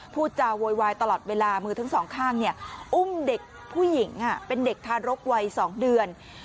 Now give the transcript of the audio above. พูดจาโวยวายตลอดเวลามือทั้งสองข้างอุ้มเด็กผู้หญิงเป็นเด็กทารกวัย๒เดือน